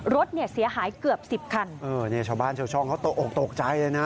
รถเนี่ยเสียหายเกือบสิบคันเออเนี่ยชาวบ้านชาวช่องเขาตกออกตกใจเลยนะ